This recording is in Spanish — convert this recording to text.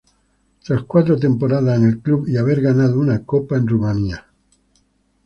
Tras cuatro temporadas en el club y haber ganado una copa de Rumania.